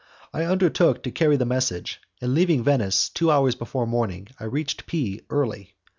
I undertook to carry the message, and leaving Venice two hours before morning I reached P early.